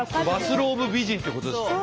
バスローブ美人ってことですか。